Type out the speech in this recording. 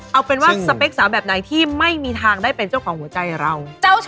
เอาเป็นว่าสเปคสาวแบบไหนที่ไม่มีทางได้เป็นเจ้าของหัวใจเรา